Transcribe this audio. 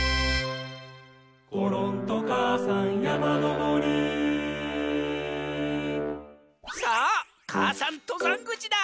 「ころんとかあさんやまのぼり」さあ母山とざんぐちだ。